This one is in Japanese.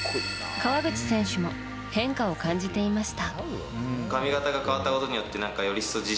川口選手も変化を感じていました。